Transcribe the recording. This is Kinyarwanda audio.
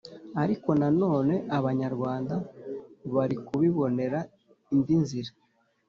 ariko na none abanyarwanda bari kubibonera indi nzira,